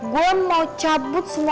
gue mau cabut semua